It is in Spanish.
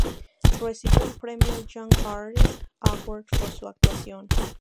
Recibió el premio Young Artist Award por su actuación.